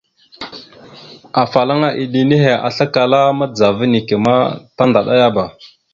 Afalaŋana iɗə nehe aslakala madəzava neke ma tandaɗayaba.